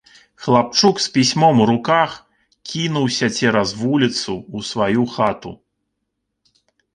Хлапчук з пісьмом у руках кінуўся цераз вуліцу ў сваю хату.